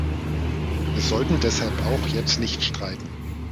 Wir sollten deshalb auch jetzt nicht streiten.